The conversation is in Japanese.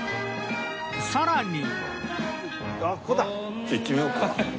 さらに